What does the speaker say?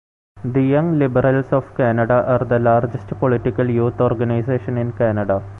The Young Liberals of Canada are the largest political youth organization in Canada.